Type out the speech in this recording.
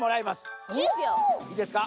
いいですか？